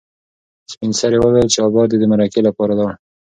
سپین سرې وویل چې ابا دې د مرکې لپاره لاړ.